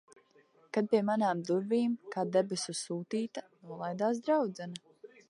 Kad pie manām durvīm, kā debesu sūtīta, nolaidās draudzene.